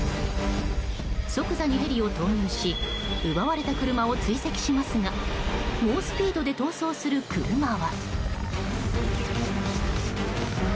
即座にヘリを投入し奪われた車を追跡しますが猛スピードで逃走する車は。